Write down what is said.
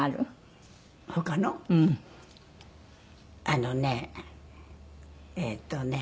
あのねえっとね。